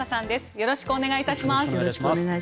よろしくお願いします。